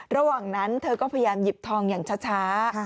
ระหว่างนั้นเธอก็พยายามหยิบทองอย่างช้า